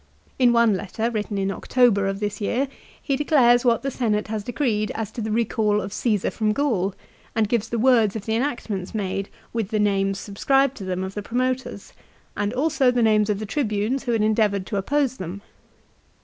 In one letter, written in October of this year, he declares what the Senate has decreed as to the recall of Caesar from Gaul, and gives the words of the enactments made, with the names subscribed to them of the promoters, and also the names of the Tribunes who had endeavoured to oppose them.